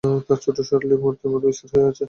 তার ছোট্ট শরীরটি পাথরের মূর্তির মতো স্থির হয়ে আছে।